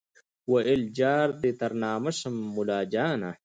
ویل جار دي تر نامه سم مُلاجانه